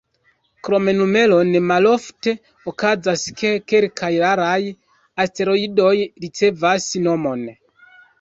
Krom numeron, malofte okazas, ke kelkaj raraj asteroidoj ricevas nomon.